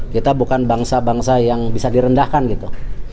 kita bukan bangsa bangsa yang bisa direndahkan gitu